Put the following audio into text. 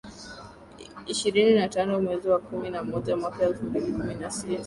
Ishirini na tano mwezi wa kumi na moja mwaka elfu mbili kumi na sita